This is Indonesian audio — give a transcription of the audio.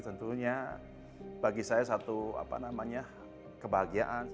tentunya bagi saya satu apa namanya kebahagiaan